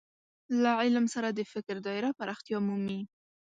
له علم سره د فکر دايره پراختیا مومي.